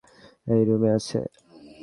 এই রুমে আছে।